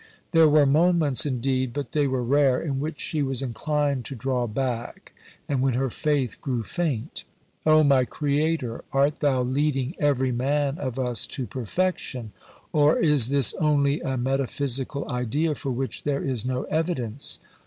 There were moments indeed, but they were rare, in which she was inclined to draw back, and when her faith grew faint. "O my Creator, art Thou leading every man of us to perfection? Or is this only a metaphysical idea for which there is no evidence?